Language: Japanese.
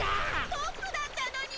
トップだったのに！